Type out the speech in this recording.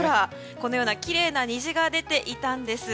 このようなきれいな虹が出ていたんです。